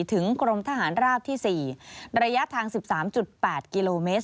ถึงกรมทหารราบที่๔ระยะทาง๑๓๘กิโลเมตร